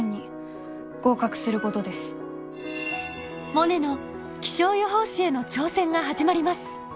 モネの気象予報士への挑戦が始まります！